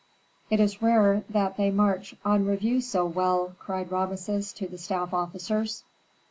"It is rare that they march on review so well," cried Rameses to the staff officers.